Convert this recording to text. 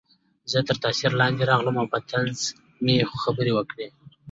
زه تر تاثیر لاندې راغلم او په طنز مې خبرې وکړې